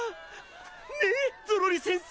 ねっゾロリせんせ。